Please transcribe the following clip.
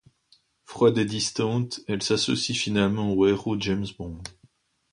Froide et distante, elle s'associe finalement au héros James Bond.